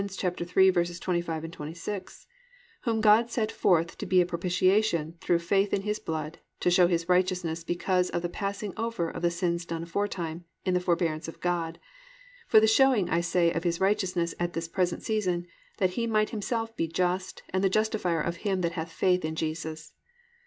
3:25, 26, +"Whom God set forth to be a propitiation, through faith, in His blood, to show His righteousness because of the passing over of the sins done aforetime, in the forbearance of God; (26) for the showing, I say, of His righteousness at this present season: that He might Himself be just, and the justifier of Him that hath faith in Jesus."